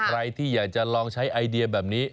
ใครที่อยากจะลองใช้ไอเดียแบบนี้